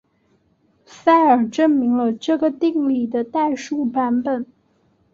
塞尔证明了这个定理的代数版本。